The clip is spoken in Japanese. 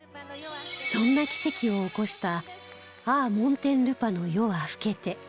そんな奇跡を起こした『あゝモンテンルパの夜は更けて』